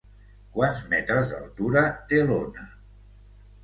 Quants metres d'altura té l'ona?